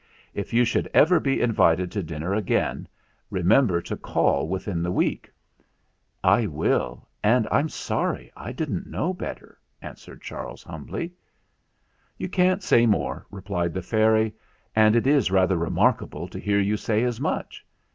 If you should ever be invited to dinner again, remember to call within the week" "I will, and I'm sorry I didn't know better," answered Charles humbly. THE GRAND SEPTUOR 183 "You can't say more," replied the fairy, "and it is rather remarkable to hear you say as much.